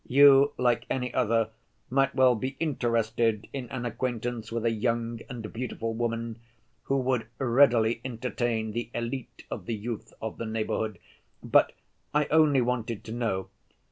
"You, like any other, might well be interested in an acquaintance with a young and beautiful woman who would readily entertain the élite of the youth of the neighborhood, but ... I only wanted to know